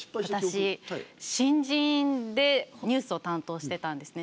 私新人でニュースを担当してたんですね。